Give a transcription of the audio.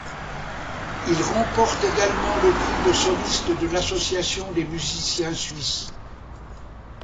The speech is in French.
Il remporte également le Prix de soliste de l'Association des musiciens suisses.